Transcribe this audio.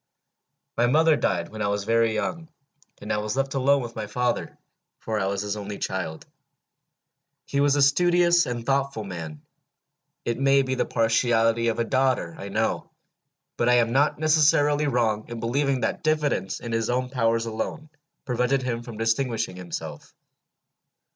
"My mother died when I was very young, and I was left alone with my father, for I was his only child. He was a studious and thoughtful man. It may be the partiality of a daughter, I know, but I am not necessarily wrong in believing that diffidence in his own powers alone prevented him from distinguishing himself.